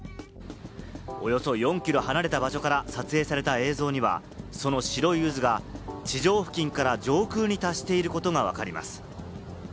およそ４キロ離れた場所から撮影された映像には、その白い渦が地上付近から上空に達していることがわかります。